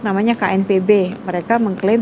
namanya knpb mereka mengklaim